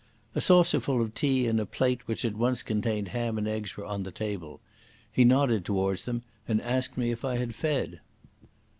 A saucer full of tea and a plate which had once contained ham and eggs were on the table. He nodded towards them and asked me if I had fed.